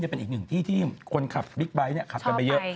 เป็นอีกหนึ่งที่ที่คนขับบิ๊กไบท์ขับกันไปเยอะ